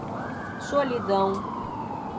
Solidão